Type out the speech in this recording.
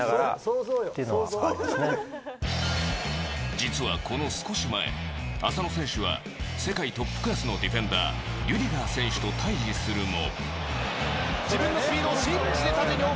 実は、この少し前浅野選手は世界トップクラスのディフェンダーリュディガー選手と対峙するも。